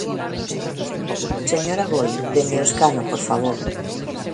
Señor Aboi, dende o escano, por favor.